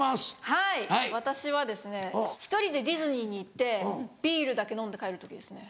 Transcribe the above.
はい私は１人でディズニーに行ってビールだけ飲んで帰る時ですね。